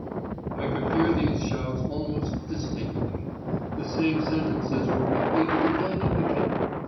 I could hear these shouts most distinctly: the same sentences were repeated again and again.